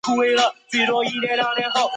他只是站着沉默不语